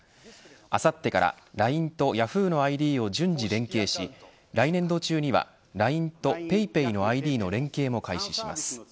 あさってからＬＩＮＥとヤフーのＩＤを順次連携し来年度中にはＬＩＮＥとＰａｙＰａｙのＩＤの連携も開始します。